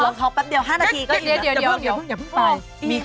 ลองท้องแป๊บเดี๋ยว๕นาที